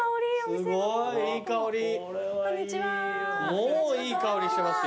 もういい香りしてますよ。